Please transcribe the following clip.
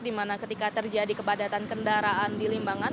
dimana ketika terjadi kepadatan kendaraan di limbangan